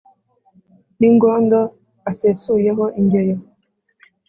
n' ingondo asesuyeho ingeyo